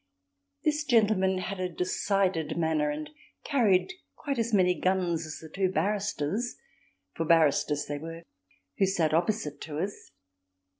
This gentleman had a decided manner and carried quite as many guns as the two barristers (for barristers they were) who sat opposite to us.